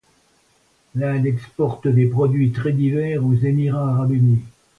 L’Inde exporte des produits très divers aux Émirats arabes unis.